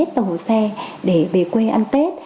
tàu xe để về quê ăn tết